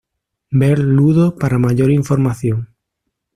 Ver Ludo para mayor información.